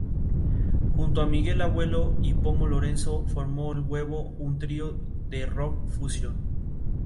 Junto a Miguel Abuelo y Pomo Lorenzo formó El Huevo, un trío de rock-fusión.